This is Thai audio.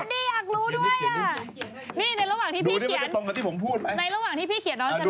นี่ในระหว่างที่พี่เขียนในระหว่างที่พี่เขียนน้องจะเล่า